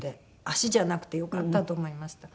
足じゃなくてよかったと思いました。